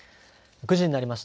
９時になりました。